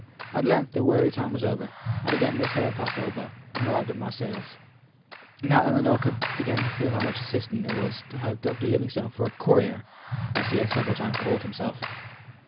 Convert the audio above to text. At length the weary time was over; and again they sailed past Elba, and arrived at Marseilles. Now Ellinor began to feel how much assistance it was to her to have Dr. Livingstone for a "courier," as he had several times called himself.